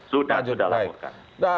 sudah sudah lakukan